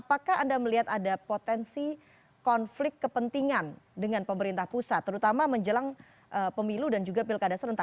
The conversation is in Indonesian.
apakah anda melihat ada potensi konflik kepentingan dengan pemerintah pusat terutama menjelang pemilu dan juga pilkada serentak dua ribu dua puluh empat